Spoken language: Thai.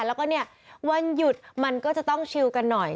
แล้วก็เนี่ยวันหยุดมันก็จะต้องชิลกันหน่อย